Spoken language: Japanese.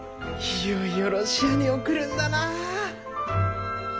いよいよロシアに送るんだな！